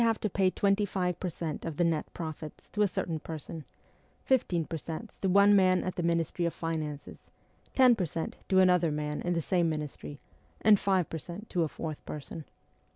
PETERSBURG 27 to pay twenty five per cent, of the net profits to a certain person, fifteen per cent, to one man at the Ministry of Finances, ten per cent, to another man in the same ministry, and five per cent, to a fourth person.